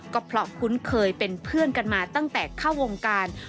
ก็เพราะคุ้นเคยเป็นเพื่อนกันมาตั้งแต่เข้าวงการ